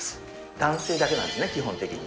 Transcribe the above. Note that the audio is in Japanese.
男性だけなんですね、基本的に。